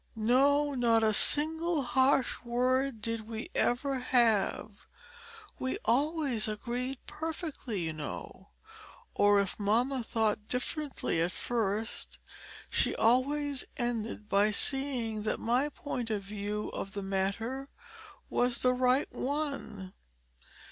"No, not a single harsh word did we ever have. We always agreed perfectly, you know; or if mamma thought differently at first she always ended by seeing that my view of the matter was the right one.